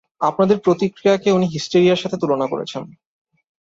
আপনাদের প্রতিক্রিয়াকে উনি হিস্টিরিয়ার সাথে তুলনা করেছেন!